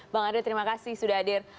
bang andre terima kasih sudah hadir